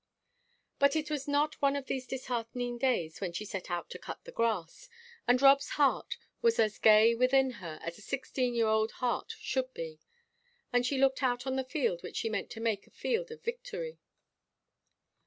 But it was not one of these disheartening days when she set out to cut the grass, and Rob's heart was as gay within her as a sixteen year old heart should be, as she looked out on the field which she meant to make a field of victory.